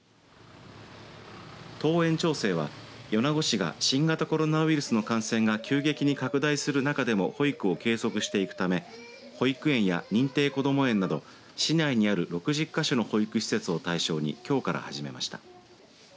登園調整は米子市が新型コロナウイルスの感染が急激に拡大する中でも保育を継続していくため保育園や認定こども園など市内にある６０か所の保育施設を対象にきょうから始めました。